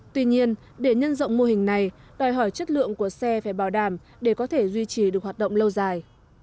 tuy nhiên để nhân rộng mô hình này đòi hỏi chất lượng của xe phải bảo đảm để có thể duy trì được hoạt động lâu dài